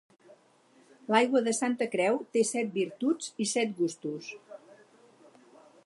L'aigua de Santa Creu té set virtuts i set gustos.